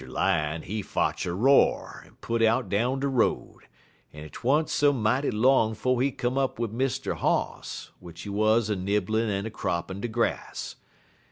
Lion, he fotch a roar, en put out down de road, en 't wa'n't so mighty long 'fo' he come up wid Mr. Hoss, w'ich he wuz a nibblin' en a croppin' de grass.